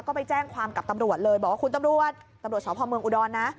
ก็ไปแจ้งความกับตำรวจเลยบอกว่าคุณตำรวจตำรวจสพเมืองอุดรนะ